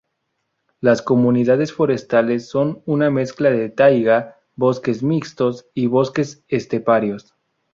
Las comunidades forestales son una mezcla de taiga, bosques mixtos y bosques esteparios.